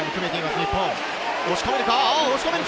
日本押し込めるか？